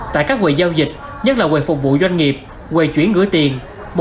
tại các quầy giao dịch nhất là quầy phục vụ doanh nghiệp quầy chuyển gửi tiền